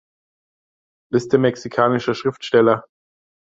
Liste mexikanischer Schriftsteller